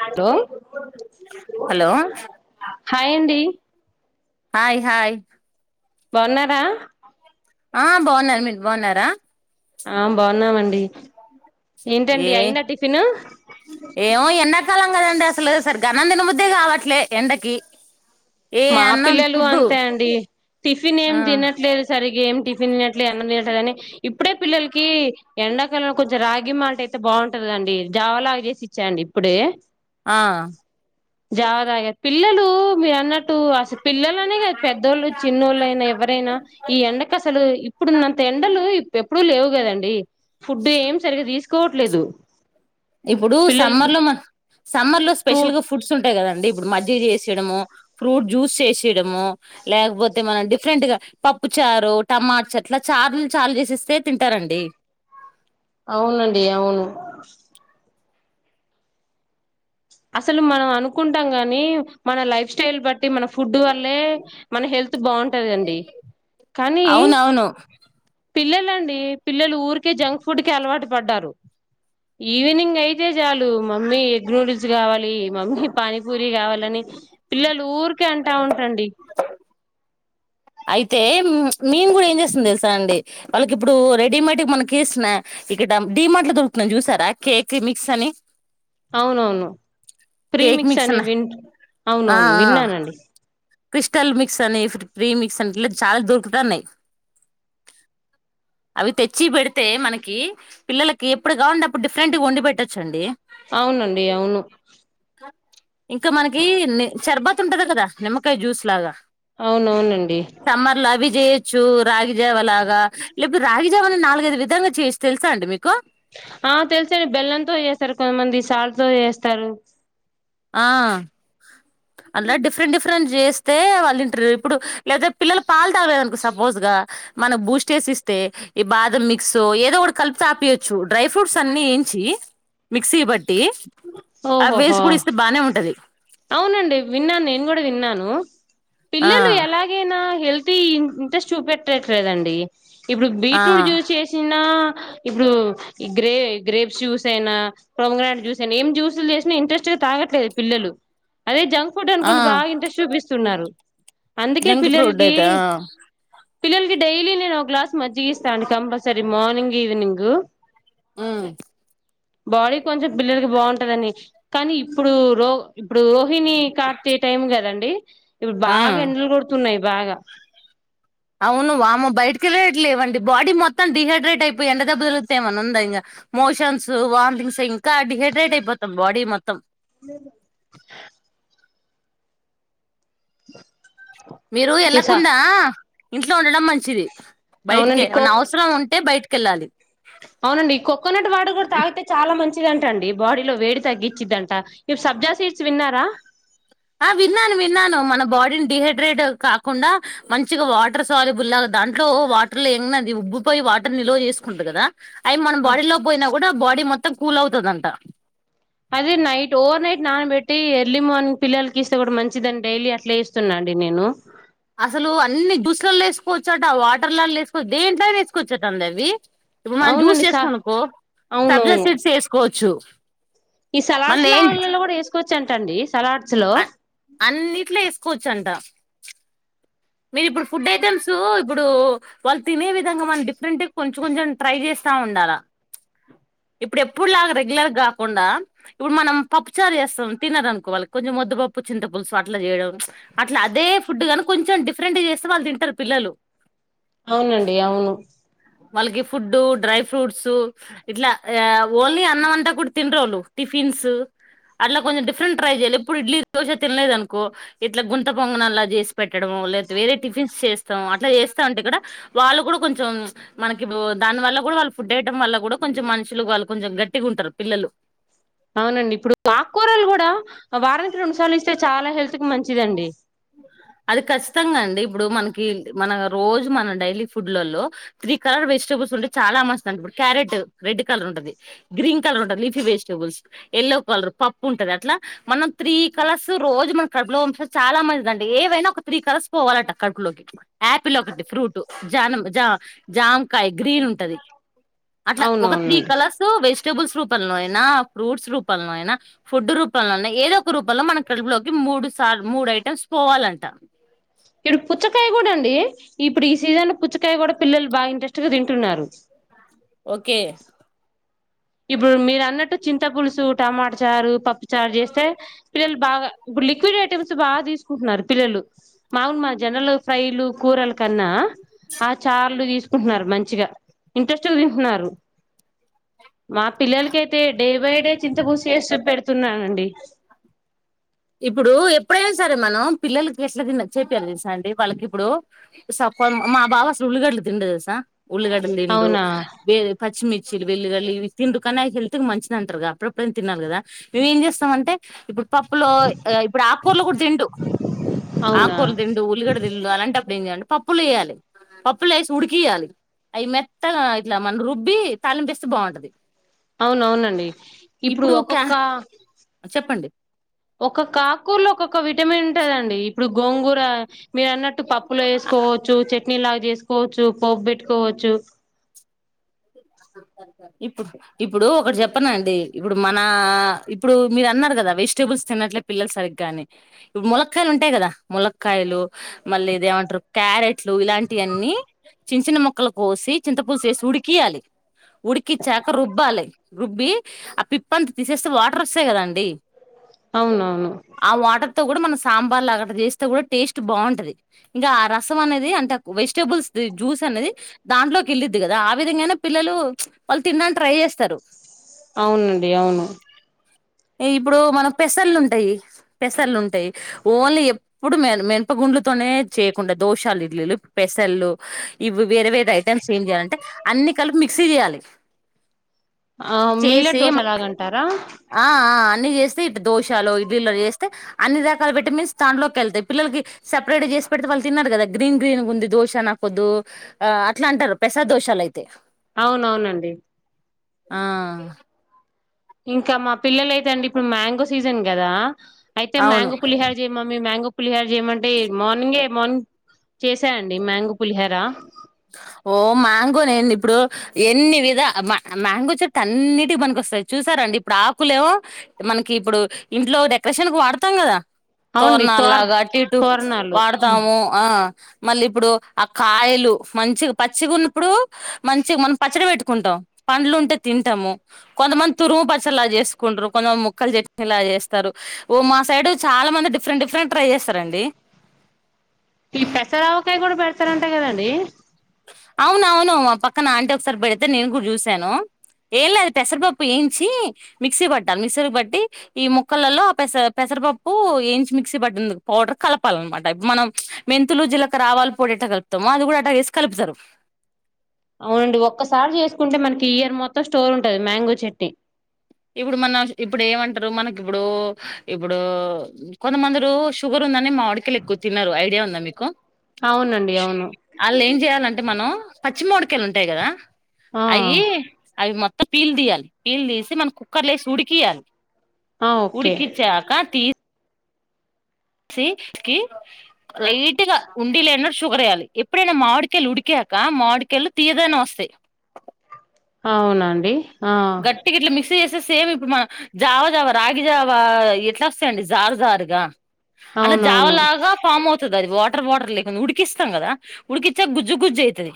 Hello! Hello hi అండి. Hi hi. బావున్నారా? ఆ బాగున్నారు మీకు బాగున్నారా? ఆ బాగున్నామండి ఏ ఏంటండి అయిందా టిఫిన్? ఏమో ఎన్న కాలం కదండి అసలు సరిగ్గా అన్నం తినబుద్దే కావట్లే ఎండకి ఏ మా అన్నం పిల్లలు ఫుడ్డు అంతే అండి టిఫిన్ ఏం ఆ తినట్లేదు సరిగ్గా ఏం టిఫిన్ తినట్లే అన్నం తినట్లే అని ఇప్పుడే పిల్లలకి ఎండాకాలంలో కొంచెం రాగి మాల్ట్ అయితే బాగుంటదండి జావలాగా చేసి ఇచ్చాయండి ఇప్పుడే. ఆ జావదా పిల్లలు మీరు అన్నట్టు అటు అసలు పిల్లలనే కాదు పెద్దోళ్ళు చిన్నోళ్ళుయినా ఎవరైనా ఈ ఎండ కసలు ఇప్పుడు ఉన్నంత ఎండలు ఎప్పుడూ లేవు కదండి ఫుడ్ ఏం సరిగ్గా తీసుకోవట్లేదు ఇప్పుడు పిల్లలకి సమ్మర్ లో మ సమ్మర్ లో ప్రూ స్పెషల్ గా ఫుడ్స్ ఉంటాయి కదండి ఇప్పుడు మజ్జి చేసి ఇవ్వడము. ఫ్రూట్ జ్యూస్ చేసేయడమో లేకపోతే మనం డిఫరెంట్ గా పప్పుచారు, టమాట చాట్లు చార్లు చాలు చేసేస్తే తింటారండి. అవునండి. అవును, అసలు, మనం, అనుకుంటాం. గాని, మన లైఫ్ స్టైల్ బట్టి మన ఫుడ్ వల్లే మన హెల్త్ బాగుంటందిండి కానీ అవునవును పిల్లలండి పిల్లలు, ఊరికే జంక్ ఫుడ్ కి అలవాటు పడ్డారు. ఈవినింగ్, అయితే చాలు మమ్మీ ఎగ్ నూడిల్స్ కావాలి, మమ్మీ పానీపూరి, కావాలని, పిల్లలు, ఊరికే అంటా ఉంటారండి. అయితే, మీమ్ కూడా ఏం చేస్తుంది. తెలుసా అండి వాళ్ళకి ఇప్పుడు రెడీమేడ్ మనకి స్నాక్ ఇక్కడ డిమార్ట్ లో దొరుకుతున్నాయి. చూసారా కేక్ మిక్స్ అని అవునవును కేక్ ప్రీమిక్స్ మిక్స్ అని, వి ఆ అవునవును ఆ విన్నానండి. క్రిస్టల్ మిక్స్ అని ప్రీ మిక్స్ అని ఇట్లా చాలా. దోరుకుతాన్నాయి అవి తెచ్చి పెడితే మనకి పిల్లలకి ఎప్పుడు కావాలంటే అప్పుడు డిఫరెంట్గా వండి పెట్టొచ్చండి. అవునండి అవును ఇంకా మనకి షార్బత్ ఉంటది. కదా నిమ్మకాయ జ్యూస్ లాగా అవునవునండి. సమ్మర్ లా అవి చేయొచ్చు. రాగిజావ లాగా లేపుతే రాగిజావాని నాలుగైదు విధలుగా చేస్త తెలుసా అండి మీకు ఆ తెలుసు అండి బెల్లంతో చేస్తారు. కొంతమంది సాల్ట్ తో చేస్తారు ఆ అందులా డిఫరెంట్ డిఫరెంట్ చేస్తే వాళ్ళు ఇంటరు ఇప్పుడు లేదపోతే పిల్లలు పాలు తాగలేదు అనుకో సపోజ్ గా మన బూస్ట్ ఎసి ఇస్తే ఈ బాదం మిక్సో ఏదో ఒకటీ కలిపి తపియొచ్చు డ్రై ఫ్రూట్స్ అన్ని ఏయించి మిక్సీ బట్టి ఆ ఓహోహో వేసి కూడా ఇస్తే బానే ఉంటది అవునండి విన్నాను నేను కూడా విన్నాను ఆ పిల్లలు ఎలాగ ఎలాగే నా హెల్తీవి ఇంట్రెస్ట్ చూపెట్టట్లేదండి. ఇప్పుడు ఆ బీట్రూట్ జ్యూస్ చేసిన ఇప్పుడు ఈ గ్రే గ్రేప్స్ జ్యూస్ అయినా పోమెగ్రనేట్ జ్యూస్ ఐన ఏం జూసులు చేసినా ఇంట్రెస్ట్గా తాగట్లేదు పిల్లలు అదే జంక్ ఫుడ్ ఆ అనుకోండి బాగా ఇంట్రెస్ట్ చూపిస్తున్నారు అందుకే జంక్ ఫ్రూట్ పిల్లలకి అయితే ఆ పిల్లలకి డైలీ నేను ఒక గ్లాస్ మజ్జిగ ఇస్తాండి. కంపల్సరీ మార్నింగ్ ఈవనింగ్ ఉ బాడీ కొంచెం పిల్లలకి బాగుంటదని కానీ ఇప్పుడు రో ఇప్పుడు రోహిణి కార్తీ టైం కదండి ఇప్పుడు ఆ బాగా ఎండలు కొడుతున్నాయి బాగా అవును వామ్మో బయటకి వెళ్ళట్లేఅండి బాడీ మొత్తం డి హైడ్రేట్ అయిపోయి ఎండదెబ్బ తలుగుతేమన్న ఉంద ఇగ మోషన్స్ వాంటింగ్స్ ఇంకా డిహైడ్రేట్ అయిపోతాం బాడీ మొత్తం మీరు ఎసా వెళ్ళకుండా ఇంట్లో ఉండడం మంచిది బయటికే అవునండి కో ఏవన్నా అవసరం ఉంటే బయటికిె వెళ్ళాలి అవునండి కోకోనట్ వాటర్ కూడా తాగుతే చాలా మంచిదంట అండి బాడీలో వేడి తగ్గించిదింట ఇప్పుడు సబ్జా సీట్స్ విన్నారా ఆ విన్నాను విన్నాను మన బాడీని డిహైడ్రేట్ కాకుండా మంచిగా వాటర్ సాలిబుల్ లాగా దాంట్లో వాటర్ లో ఏంనాది ఉబ్బ పోయి వాటర్ నిల్వ చేసుకుంటు కదా అయి మన బాడీ లో పోయినా కూడా బాడీ మొత్తం కూల్ అవుతదంట అదే నైట్ ఓవర్ నైట్ నానబట్టి ఎర్లీ మార్నింగ్ పిల్లలకి ఇస్తే కూడా మంచిదని డైలీ అట్లే ఇస్తున్నాండి నేను అసలు అన్ని జూస్లలో వేసుకోవచ్చాట వాటర్లలో వేసుకోవచ్చు దేంట్లోనే వేసుకోవచ్చట అండి అవి ఇప్పుడు మనం జ్యూస్ అవునండి సా చేసుకుననుకో సబ్జా అవునవును సీడ్స్ వేసుకోవచ్చు ఈ సలాడ్స్ మళ్ళీ లో ఏం ఆల లో కూడా వేసుకోవచ్చటండి సలాడ్స్ లో అన్నిట్లో వేసుకోవచ్చంట మీరు ఇప్పుడు ఫుడ్ ఐటెమ్స్ ఇప్పుడు వాళ్ళు తినే విధంగా మన డిఫరెంట్ కొంచెం కొంచెం ట్రై చేస్తా ఉండాలా ఇప్పుడు ఎప్పుడు లాగా రెగ్యులర్ కాకుండా ఇప్పుడు మనం పప్పు చారు చేస్తాం తినరనుకో వాళ్ళ కొంచెం ముద్ద పప్పు చింత పులుసు అట్లా చేయడం అట్లా అదే ఫుడ్గానీ కొంచెం డిఫరెంట్ చేస్తే వాళ్ళు తింటారు పిల్లలు అవునండి అవును వాళ్ళకి ఫుడ్డు డ్రై ఫ్రూట్స్ ఇట్లా ఆ ఓన్లీ అన్నంమంటా కూడా తిన్రోళ్ళు టిఫిన్స్ అట్లా కొంచం డిఫరెంట్ ట్రై చేయలే ఇప్పుడు ఇడ్లీ దోశ తినలేదు అనుకో ఇట్లా గుంత పొంగనాలు లాగా చేసి పెట్టడము లేతే వేరే టిఫిన్స్ చేస్తా అట్లా చేస్తా ఉంటే ఇక్కడ వాళ్ళు కూడా కొంచెం మనకి దాని వల్ల కూడా వాళ్ళు ఫుడ్ అయటం వల్ల కూడా కొంచెం మనుషులు వాళ్ళు కొంచెం గట్టిగా ఉంటారు పిల్లలు అవునండి ఇప్పుడు ఆకుకూరలు కూడా వారానికి రెండు సార్లు ఇస్తే చాలా హెల్త్ కి మంచిదండి అది ఖచ్చితంగా అండి ఇప్పుడు మనకి మన రోజు మన డైలీ ఫుడ్లలో త్రీ కలర్ వెజిటబుల్స్ంటే చాలా మంచిదండి ఇప్పుడు కారెట్ రెడ్ కలర్ ఉంటది గ్రీన్ కలర్ ఉంటంది లిఫీ వెజిటేబుల్స్ ఎల్లో కలర్ పప్పు ఉంటది అట్లా మనం త్రీ కలర్స్ రోజు మన కడుపులో పంపిస్తే చాలా మంచిది అండి ఏవైనా ఒక త్రీ కలర్స్ పోవాలట కడుపులోకి ఆపిల్ ఒకటి ఫ్రూట్ జాన జా జామకాయ గ్రీన్ ఉంటది అట్లా ఒక త్రీ అవునవునండి కలర్స్ వెజిటబుల్స్ రూపంలో అయినా ఫ్రూట్స్ రూపంలో అయినా ఫుడ్ రూపంలోన్నా ఏదో ఒక రూపంలో మన కడుపులోకి మూడు సార్ మూడు ఐటమ్స్ పోవాలంట ఇప్పుడు పుచ్చకాయ కూడా అండి ఇప్పుడు ఈ సీజన్ లో పుచ్చకాయ కూడా పిల్లలు బాగా ఇంట్రెస్ట్ గా తింటున్నారు ఓకే ఇప్పుడు మీరు అన్నట్టు చింత పులుసు టమాట చారు పప్పు చారు చేస్తే పిల్లలు బాగా ఇప్పుడు లిక్విడ్ ఐటమ్స్ బాగా తిసు కుంటున్నారు పిల్లలు మాములు మా జనరల్ గా ఫ్రైలు కూరల కన్నా ఆ చార్లు తీసుకుంటున్నారు మంచిగా ఇంట్రెస్ట్గా తింటున్నారు మా పిల్లలకి అయితే డే బై డే చింతపూలుసు చేసి పెడుతున్నానండి ఇప్పుడు ఎప్పుడైనా సరే మనం పిల్లలకి ఎట్లా తిన చెపియాలే తెలుసా అండి వాళ్ళకి ఇప్పుడు స మా బావాసలు ఉల్లిగడ్డ తిండు తెలుసా ఉల్లిగడ్లు తిండు అవునా బే పచ్చిమిర్చి వెల్లిల్లి ఇవి తిండు కానీ ఆ హెల్త్ కు మంచిది అంటారు కా అప్పుడప్పు డైనా తినాల కదా మేము ఏం చేస్తామంటే ఇప్పుడు ప ప్పులో ఇప్పుడు ఆకూ కూరలు కూడా తిండు అవునా ఆకూర్ తిండు ఉల్లిగడ తిండు అలాంటప్పుడు ఏం చేయాలాంటె పప్పులు వేయాలి పప్పులు వేసి ఉడికియాలి అవి మెత్తగా ఇట్లా మన రుబ్బి తాళింపిస్తే బాగుంటది అవునవునండి ఇప్పుడు క చెప్పండి ఒకొక్కకాకూర్లో ఒక్కొక్క విటమిన్ ఉంటదండి ఇప్పుడు గోంగూర మీరు అన్నట్టు పప్పులో వేసుకోవచ్చు చట్నీ లాగా చేసుకోవచ్చు పోపు పెట్టుకోవచ్చు ఇప్పుడు ఇప్పుడు ఒకటి చెప్పన అండి ఇప్పుడు మనా ఇప్పుడు మీరు అన్నారు కదా వెజిటేబుల్స్ తినట్లే పిల్లలు సరిగ్గాని ములక్కాయాలు ఉంటాయి కదా ములక్కాయాలు మళ్ళీ ఇదేమంటరు క్యారెట్లు ఇలాంటియి అన్ని చించిన మొక్కలు కోసి చింతపూలుసు వేసి ఉడికియ్యాలి ఉడికిచ్చాక రుబ్బాలి రుబ్బి ఆ పిప్ప అంత తీసేస్తే వాటర్ వస్తాయి కదండి అవునవును ఆ వాటర్ తో కూడా మనం సాంబార్ లాగా అట్టా చేస్తే కూడా టేస్ట్ బాగుంటది ఇంకా ఆ రసం అనేది అంటే వెజిటేబుల్స్ జ్యూస్ అనేది దాంట్లోకి వెళ్ళిద్ది కదా ఆ విధంగానే పిల్లలు వాళ్ళు తిన్నంని ట్రై చేస్తారు అవునండి అవును ఇప్పుడు మనం పెసల్లు ఉంటాయి పెసల్లు ఉంటాయి ఓన్లీ ఎ ఎప్పుడు మేన మెనప గుండ్లుతోనే చేయకుండా దోషాలు ఇడ్లీలు పెసల్లు ఇవి వేరే వేరే ఐటమ్స్ ఏం చేయాలంటే అన్ని కలిపి మిక్సీ చేయాలి ఆ మిల్లట్ చేసి దోశ లాగా అంటారా ఆ ఆ అన్ని చేస్తే ఇట్టా దోశలో ఇడ్లీలో చేస్తే అన్ని రకాల విటమిన్స్ దాంట్లోకి వెళ్తాయి పిల్లలకి సపరేట్ చేసి పెడితే వాళ్ళు తిన్నారు కదా గ్రీన్ గ్రీన్ ఉంది దోశ నాకొద్దు ఆ అట్లా అంటారు స్పెషల్ దోసలయితే అవునవునండి ఆ ఇంకా మా పిల్లలు అయితే అండి ఇప్పుడు మ్యాంగో సీజన్ కదా అయితే అవును మ్యాంగో పులిహొ చేయి మమ్మీ మ్యాంగో పులిహార చేయమంటే మార్నింగే మార్నింగ్ చేసేయండి మ్యాంగు పులిహేర ఓ మ్యాంగో నేందీ ఇప్పుడు ఎన్ని విధ మా మ్యాంగో చెట్టు అన్నిటికి పనీకొస్తాయి చూసారండి ఇప్పుడు ఆకులేమో మనకి ఇప్పుడు ఇంట్లో డెకరేషన్ కు వాడతాం కదా అవునండి తోరణ తోర్ లాగా అటు ఇటు తోరణాలు వాడతాము ఆ మళ్ళీ ఇప్పుడు ఆ కాయలు మంచిగా పచ్చిగా ఉన్నప్పుడు మంచిగా మనం పచ్చడి పెట్టుకుంటాం పండ్లు ఉంటే తింటాము కొంతమంది తురుము పచ్చలు లాగా చేసుకుంటరు కొంతమంది ముక్కలు చట్నీ లాగా చేస్తారు ఓ మా సైడ్ చాలా మంది డి డిఫ్రెంట్ డిఫ్రెంట్ ట్రై చేస్తారండి ఈ పెసర ఆవకాయ కూడా పెడతారంట కదండి అవును అవును పక్కన ఆంటీ ఒకసారి పెడితే నేను కూడా చూశాను ఏం లేదు పెసర పప్పు ఎయించి మిక్సీ పట్టాలి మిక్సీ పట్టి ఈ ముక్కలల్లో పెస పెసరపప్పు ఏయించి మిక్సీ పట్టింది పౌడర్ కలపాలన్నమాట ఇప్పుడు మనం మెంతులు జీలకర ఆవాలు పొడి ఎట్టా కలుపుతమో అది కూడా అట్టా వేసి కలుపుతరు అవునండి ఒక్కసారి చేసుకుంటే మనకి ఇయర్ మొత్తం స్టోర్ ఉంటుంది మ్యాంగో చట్నీ ఇప్పుడు మన ఇప్పుడు ఏమంటారు మనకి ఇప్పుడు ఇప్పుడు కొంతమందురు షుగర్ ఉందని మావాడికాయలు ఎక్కువ తినరు ఐడియా ఉందా మీకు అవునండి అవును వాళ్ళు ఏం చేయాలంటే మనం పచ్చిమావిడికాయలు ఉంటాయి కదా ఆ అయి అవి మొ పీలు తీయాలి పీలు తీసి మన కుక్కర్లోసి ఉడికియాలి ఆ ఓకే ఉడికించాక తీ సి కి లైట్ గా ఉండి లేనట్టు షుగర్ వేయాలి ఎప్పుడైనా మామిడికేళ్ళు ఉడికాక మామిడికేళ్ళు తీయదనము వస్తాయి అవునాండి? ఆ ఇట్ల మిక్స్ చేస్తే సేమ్ ఇప్పుడు మా జావ జావ రాగి జావా ఎట్లస్తాయండి జారు జారుగా అట్ల అవునవును జావలాగా ఫామ్ అవుతది అది వాటర్ వాటర్ లేకుండ ఉడికిస్తం గదా ఉడికిచ్చాక గుజ్జు గుజ్జు అయితది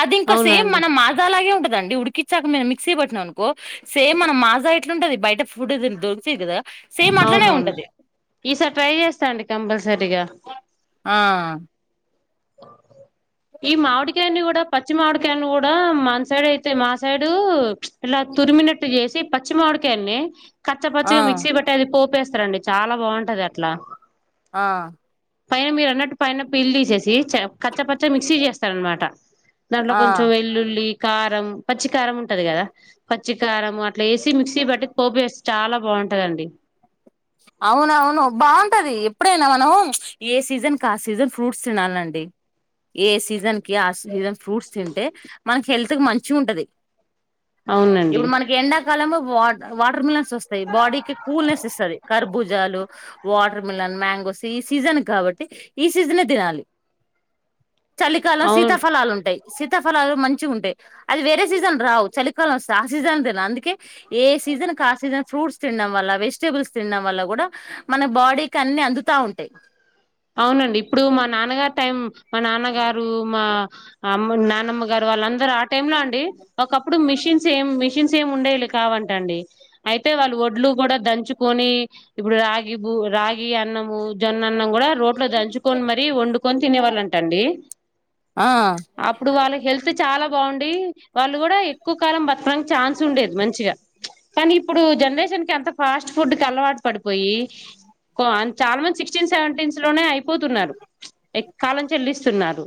అది ఇంకా సేమ్ అవునండి మన మాజాలాగే ఉంటదండి ఉడికిచ్చాక మేం మిక్ క్సీ పట్టినం అనుకో సేమ్ మన మాజా ఎట్లుంటది బయట ఫుడ్ దిన్ దొరుకతయ్ గదా! అవునవును ఈసారి ట్రై చేస్తాండి కంపల్సరీగా ఆ ఈ మావిడికాయల్ని కూడా పచ్చి మావిడికాయల్ని కూడా మన సైడ్ అయితే మా సైడూ ఇలా తురిమినట్టు చేసి పచ్చి మామిడికాయల్నే ఖచ్చా ఆ పచ్చగా మిక్సీ పట్ టది పోపేస్తారండి చాలా బాగుంటది అట్లా ఆ అ పైన మీరన్నట్టు పైన పీల్ దీసేసి చప్ కచ్చ పచ్చ మిక్సీ చేస్తారన్మాట. దాంట్లో ఆ కొంచెం వెల్లుల్లి కారం పచ్చి కారం ఉంటది గదా! పచ్చికారము అట్ల యేసి మిక్సీ బట్టి పోపు వేస్తె చాలా బావుంటదండి అవునవును బావుంటది ఎప్పుడైనా మనం ప్చ్ ఏ సీజన్కాసీజన్ ఫ్రూట్స్ తినాల్నండీ. ఏ సీజన్కి ఆ సీజన్ ఫ్రూట్స్ తింటే మనకి హెల్త్కి మంచిగుంటది అవునండి ఇప్పుడు మనకి ఎండాకాలంలో వాట్ వాటర్ మిలన్సొస్తయి. బాడీకి కూల్నెస్ ఇస్తది. అర్భుజాలు వాటర్ మిలన్, మ్యాంగోస్ ఈ సీజన్ కాబట్టి ఈ సీజనే తినాలి చలికాలం అవును సీతాఫలాలుంటయి సీతాఫలాలు మంచిగుంటయి. అది వేరే సీజన్ రావు చలికాలం వస్తయ్ ఆ సీజన్ తినాల్ అందుకే ఏ సీజన్కాసీజన్ ఫ్రూట్స్ తినడం వల్ల వెజిటేబుల్స్ తినడం వల్ల కూడా మన బాడీకి అన్నిీ అందుతా ఉంటయి. అవునండి ఇప్పుడు మా నాన్నగారు టైం మా నాన్నగారు మా అమ్ము న్నానమ్మ గారు వాల్ అందరు ఆట్ టైంలో అండి ఒకప్పుడు మిషన్స్ ఏం మిషన్స్ ఏమి ఉండేలి కావంట అండి అయితే వాళ్ళు వడ్లూ కూడా దంచుకొని ఇప్పుడు రాగి భూ రాగి అన్నము జొన్న అన్నం కుడా రోట్లో దంచుకొని మరీ వండుకొని తినే వాళ్లంట అండి ఆ అప్పుడు వాళ్ళ హెల్త్ చాలా బాగుండి వాళ్ళు కూడా ఎక్కువ కాలం బతకడానికి ఛాన్స్ సు ఉండేది మంచిగా కానీ ఇప్పుడు జనరేషన్ కి అంత ఫాస్ట్ ఫుడ్ కి అలవాటు పడిపోయి కో ఆన్ చాలా మంది సిక్స్టీన్ సెవెంటీన్స్ లోనే అయిపోతున్నారు ఎక్కాలం చెల్లిస్తున్నారు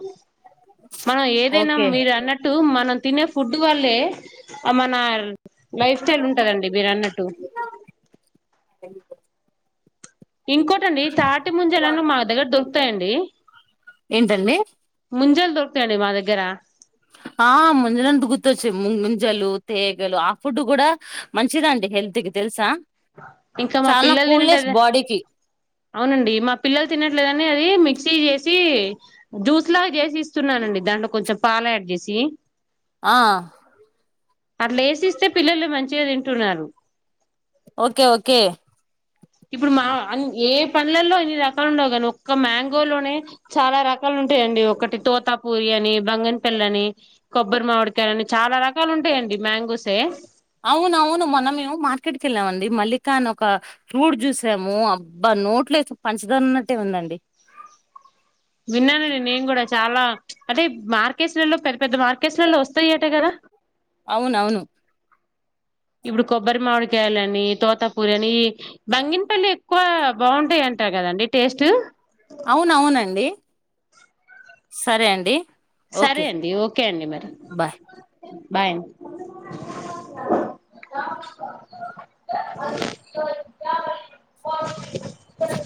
మా ఏదైనా ఓకే మీరు అన్నట్ అట్టు మనం తినే ఫుడ్ వళ్లే అ మన లైఫ్ స్టైల్ ఉంటదండీ మీరు అన్నట్టు [unintelligible] ఇంకోటండీ తాటి ముంజలని మా దగ్గర దొరుకుతాయండి ఏంటండి ముంజల్ దొర్కుతాయండీ మా దగ్గర ఆ ముంజలంటె గుర్తొచ్చింది ముంజలు తేగలు ఆ ఫుడ్ కూడా మంచిదండి హెల్త్ కి తెలుసా ఇంకా మా చాలా పిల్లలు కూల్నెస్ తినట్లేదు బాడీకి అవునండి మా పిల్లలు తినట్లేదనీ అయీ మిక్సీ చేసి జ్యూస్ లాగా చేసి ఇస్తున్నానండి దాంట్లో కొంచెం పాలు యాడ్ చేసి ఆ అట్ల వేసిస్తే పిల్లలు మంచిగా తింటున్నారు. ఓకే ఓకే ఇప్పుడు మా ఏ పండ్లలో ఇన్ని రకాలు ఉండవు కాని ఒక్క మ్యాంగోలోనే, చాలా రకాలు ఉంటాయి అండి ఒకటి తోతపూరి అని, బంగన్పల్లి అని కొబ్బరి మామిడికాయలు, అని చాలా రకాలు ఉంటాయి అండి మ్యాంగోసే అవును అవును మనమేమో మార్కెట్‌ కి వెళ్ళామండి మల్లిక అని ఒక ఫ్రూట్ చూసాము అబ్బా నోట్లోకి పంచదార వున్నట్టే ఉందండి. విన్నాను అండి నేను కూడా చాలా అంటే మార్కేట్లలో పెద్ద పెద్ద మార్కేట్లలో వస్తాయటే కదా అవునవును ఇప్పుడు కొబ్బరి మామిడికాయాలని, తోతాపూరి అని బంగినపల్లి ఎక్కువ బాగుంటాయి అంట కదండి టేస్ట్ అవును అవునండి సరే అండి. సరే ఓకే అండి ఓకే అండి మరి బాయ్ బాయ్. స ఇ